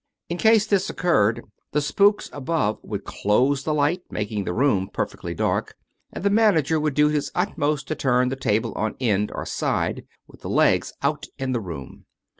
In case this occurred, the 297 True Stories of Modern Magic " spooks '' above would close the light, making the room per fectly dark, and the manager would do his utmost to turn the table on end, or side, with the legs out in the room.